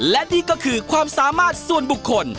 และนี่ก็คือความสามารถส่วนบุคคล